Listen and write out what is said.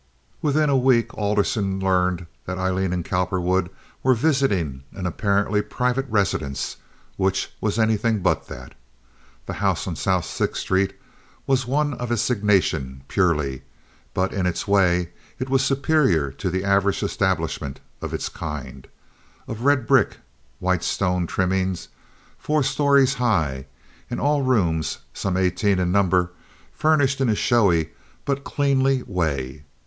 Within a week Alderson learned that Aileen and Cowperwood were visiting an apparently private residence, which was anything but that. The house on South Sixth Street was one of assignation purely; but in its way it was superior to the average establishment of its kind—of red brick, white stone trimmings, four stories high, and all the rooms, some eighteen in number, furnished in a showy but cleanly way.